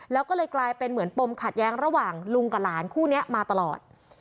แล้วก็เลยกลายเป็นเหมือนปมขัดแย้งระหว่างลุงกับหลานคู่นี้มาตลอด